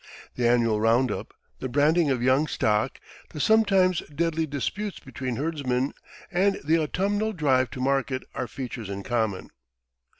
The annual round up, the branding of young stock, the sometimes deadly disputes between herdsmen, and the autumnal drive to market, are features in common.